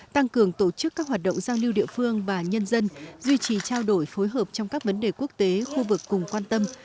tăng cường tổ chức các hoạt động giao lưu địa phương và nhân dân duy trì trao đổi phối hợp trong các vấn đề quốc tế khu vực cùng quan tâm